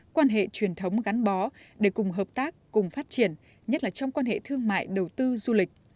quan hệ truyền thống gắn bó để cùng hợp tác cùng phát triển nhất là trong quan hệ thương mại đầu tư du lịch